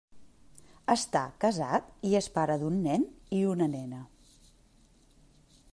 Està casat i és pare d'un nen i una nena.